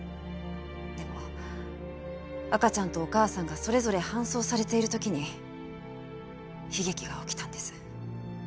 でも赤ちゃんとお母さんがそれぞれ搬送されている時に悲劇が起きたんです。